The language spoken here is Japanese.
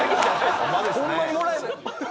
ホンマにもらえる。